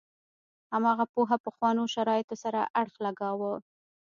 هماغه پوهه پخوانو شرایطو سره اړخ لګاوه.